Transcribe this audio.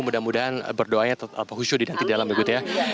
mudah mudahan berdoanya atau khusyuh di dalam ya bu teh